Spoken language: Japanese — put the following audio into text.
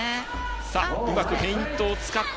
うまくフェイントを使って。